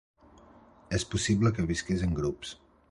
És possible que visqués en grups.